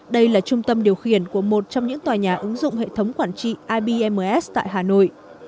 đây là trung tâm điều khiển của một trong những tòa nhà ứng dụng hệ thống quản trị ibms tại hà nội